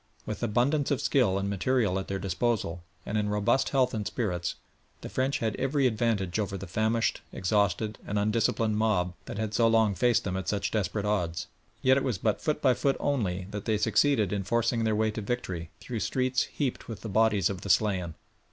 With abundance of skill and material at their disposal, and in robust health and spirits, the French had every advantage over the famished, exhausted and undisciplined mob that had so long faced them at such desperate odds, yet it was but foot by foot only that they succeeded in forcing their way to victory through streets heaped with the bodies of the slain.